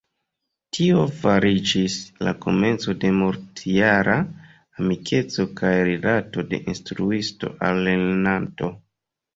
Tio fariĝis la komenco de multjara amikeco kaj rilato de instruisto al lernanto.